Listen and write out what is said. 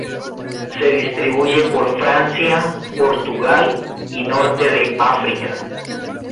Se distribuye por Francia, Portugal y norte de África.